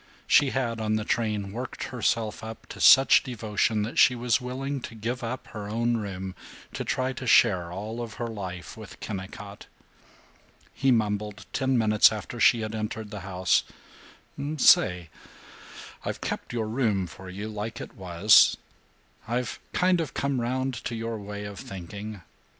She had, on the train, worked herself up to such devotion that she was willing to give up her own room, to try to share all of her life with Kennicott. He mumbled, ten minutes after she had entered the house, "Say, I've kept your room for you like it was. I've kind of come round to your way of thinking.